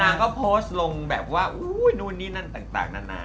นางน้างก็โพสต์ลงว่านู่นนี่นั่นต่าง